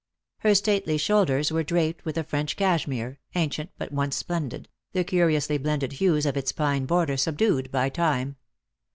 Her stately shoulders were draped with a French cashmere, ancient but once splendid, the curiously blended hues of its pine border subdued by time.